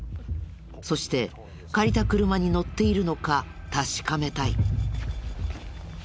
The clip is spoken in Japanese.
そして借りた車に乗っているのか確かめたい。